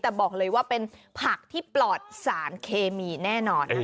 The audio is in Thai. แต่บอกเลยว่าเป็นผักที่ปลอดสารเคมีแน่นอนนะคะ